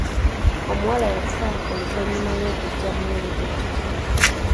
Omuwala yafa oluvannyuma lw’okuggyamu olubuto.